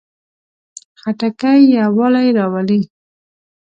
خټکی یووالی راولي.